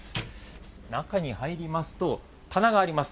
中に入りますと、棚があります。